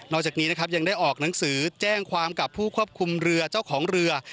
จากนี้นะครับยังได้ออกหนังสือแจ้งความกับผู้ควบคุมเรือเจ้าของเรือ